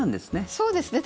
そうですね。